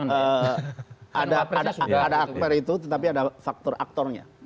ada ada ada aktor itu tetapi ada faktor aktornya